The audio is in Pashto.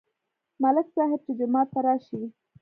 ملک صاحب چې جومات ته راشي،